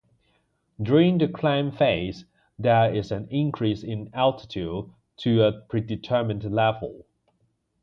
During the climb phase there is an increase in altitude to a predetermined level.